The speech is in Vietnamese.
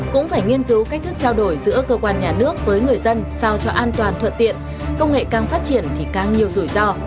cũng phải nghiên cứu cách thức trao đổi giữa cơ quan nhà nước với người dân sao cho an toàn thuận tiện công nghệ càng phát triển thì càng nhiều rủi ro